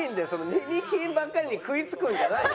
耳キーンばっかりに食いつくんじゃないよ。